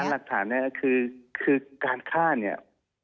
อะหากธ่านนี้ก็คือการฆ่าเนี่ย